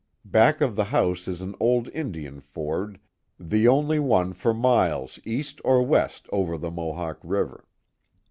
Back of the house is an old Indian ford, the only one for miles east or west over the Mohawk River.